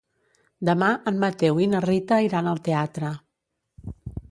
Demà en Mateu i na Rita iran al teatre.